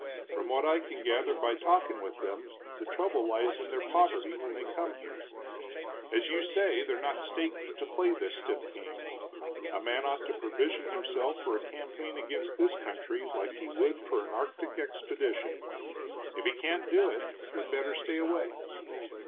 "From what I can gather by talking with them, the trouble lies in their poverty when they come here. As you say, they're not staked to play this stiff game. A man ought to provision himself for a campaign against this country like he would for an Arctic expedition. If he can't do it, he'd better stay away."